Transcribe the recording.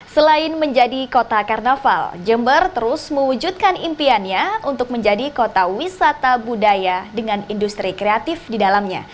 selain menjadi kota karnaval jember terus mewujudkan impiannya untuk menjadi kota wisata budaya dengan industri kreatif di dalamnya